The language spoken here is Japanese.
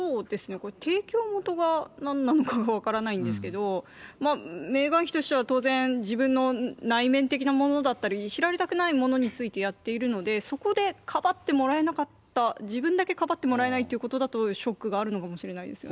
これ、提供元がなんなのかが分からないんですけど、メーガン妃としては当然、自分の内面的なものだったり、知られたくないものについてやっているので、そこでかばってもらえなかった、自分だけかばってもらえないということだと、ショックがあるのかもしれないですよね。